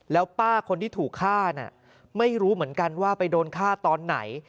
แล้วป้าคนที่ถูกฆ่าไม่รู้เหมือนกันว่าไปโดนฆ่าตอนไหน